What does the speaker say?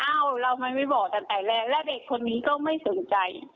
เราทำไมไม่บอกตั้งแต่แรกแล้วเด็กคนนี้ก็ไม่สนใจ